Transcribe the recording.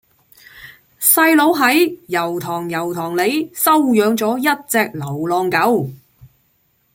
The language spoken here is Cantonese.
細佬喺油塘油塘里收養左一隻流浪狗